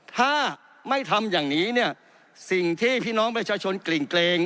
ถ้าไม่ทำอย่างนี้เนี่ยสิ่งที่พี่น้องประชาชนกลิ่งเกรง